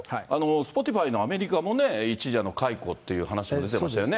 Ｓｐｏｔｉｆｙのアメリカもね、一時、解雇っていう話も出てましたよね。